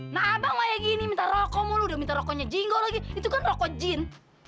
nah abang lah ya gini minta rokok mulu udah minta rokoknya jinggol lagi itu kan rokok jin